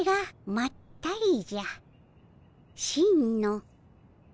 真のまったりじゃ。